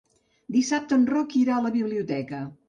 Dissabte en Roc irà a la biblioteca.